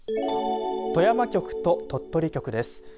富山局と鳥取局です。